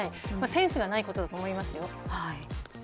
センスがないことだと思います。